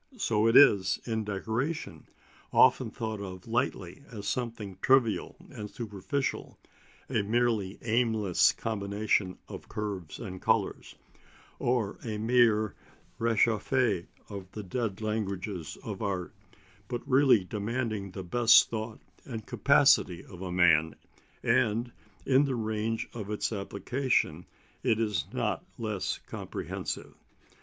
So it is in decoration; often thought of lightly as something trivial and superficial, a merely aimless combination of curves and colours, or a mere réchauffé of the dead languages of art, but really demanding the best thought and capacity of a man; and in the range of its application it is not less comprehensive.